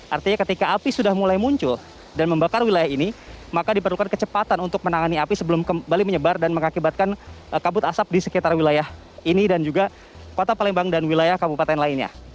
artinya ketika api sudah mulai muncul dan membakar wilayah ini maka diperlukan kecepatan untuk menangani api sebelum kembali menyebar dan mengakibatkan kabut asap di sekitar wilayah ini dan juga kota palembang dan wilayah kabupaten lainnya